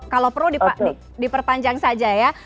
kalau perlu diperpanjang saja ya